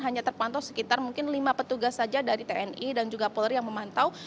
hanya terpantau sekitar mungkin lima petugas saja dari tni dan juga polri yang memantau